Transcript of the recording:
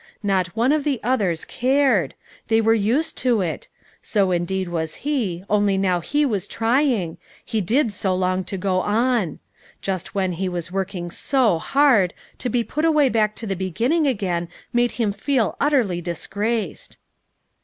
Not one of the others cared; they were used to it; so indeed was he, only now he was trying, he did so long to go on; just when he was working so hard, to be put away back to the beginning again made him feel utterly disgraced.